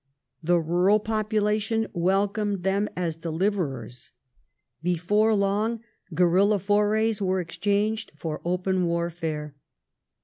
The rural population welcomed them as deliverers. Before long guerilla forays were exchanged for open warfare.